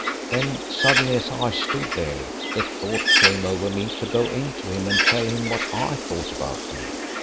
"Then suddenly, as I stood there, the thought came over me to go in to him and tell him what I thought about him.